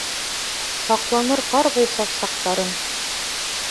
Һаҡланыр ҡарҙай саф саҡтарың...